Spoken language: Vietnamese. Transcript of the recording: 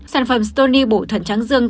sản phẩm stony bổ thận trắng dương